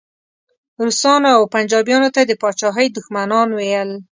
روسانو او پنجابیانو ته یې د پاچاهۍ دښمنان ویل.